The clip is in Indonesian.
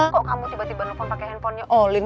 kok kamu tiba tiba telepon pake handphonenya olin